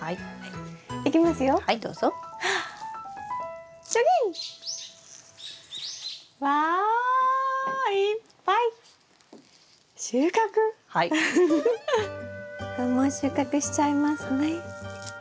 これも収穫しちゃいますね。